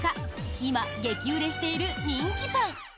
今、激売れしている人気パン。